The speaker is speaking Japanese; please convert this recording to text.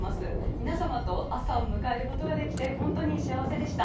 皆様と朝を迎えることができて本当に幸せでした。